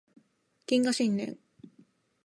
謹賀新年